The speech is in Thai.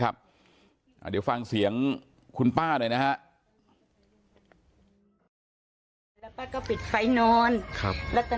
ติดเตียงได้ยินเสียงลูกสาวต้องโทรศัพท์ไปหาคนมาช่วย